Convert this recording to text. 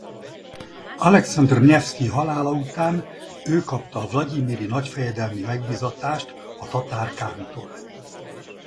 Alekszandr Nyevszkij halála után ő kapta a vlagyimiri nagyfejedelmi megbízatást a tatár kántól.